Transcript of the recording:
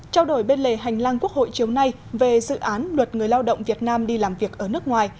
trao đổi bên lề hành lang quốc hội chiều nay về dự án luật người lao động việt nam đi làm việc ở nước ngoài